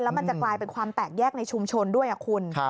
มันจะกลายเป็นความแตกแยกในชุมชนด้วยคุณ